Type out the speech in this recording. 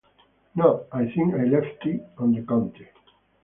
No, I think I left it on the counter.